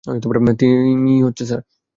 তিমি, স্যার।